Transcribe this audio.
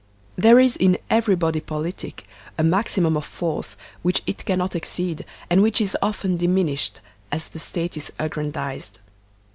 There is in every body politic a maximum of force which it cannot exceed, and which is often dimin ished as the State is aggrandized.